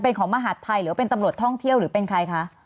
เป็นของมหาดไทยหรือว่าเป็นตำรวจท่องเที่ยวหรือเป็นใครคะ